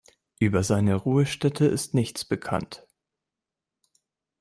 Über seine Ruhestätte ist nichts bekannt.